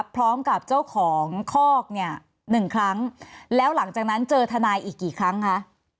พร้อมกับเจ้าของคอกเนี่ยหนึ่งครั้งแล้วหลังจากนั้นเจอทนายอีกกี่ครั้งคะ